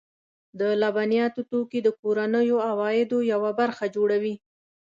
د لبنیاتو توکي د کورنیو عوایدو یوه برخه جوړوي.